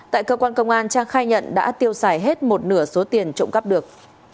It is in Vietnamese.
tại cơ quan công an trang khai nhận đã tiêu xài hết một nửa số tiền trộm cắp được